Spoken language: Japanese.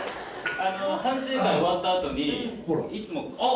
反省会終わった後にいつもあっ。